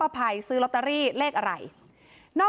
ทนายเกิดผลครับ